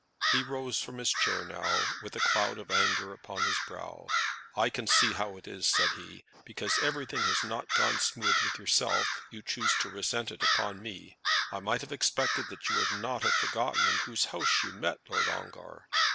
He rose from his chair now with a cloud of anger upon his brow. "I can see how it is," said he; "because everything has not gone smooth with yourself you choose to resent it upon me. I might have expected that you would not have forgotten in whose house you met Lord Ongar."